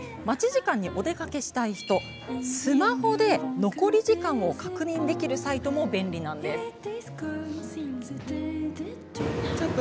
待ち時間にお出かけしたい人はスマホで残り時間を確認できるサイトも便利です。